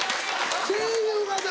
⁉声優がな